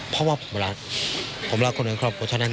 เพราะว่าผมรักผมรักคนในครอบครัวเท่านั้น